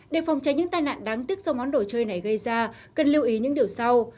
để phòng tránh những tai nạn đáng tiếc do món đồ chơi này gây ra cần lưu ý những điều sau